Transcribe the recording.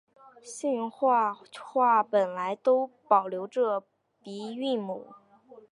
兴化话本来都保留着的鼻韵母。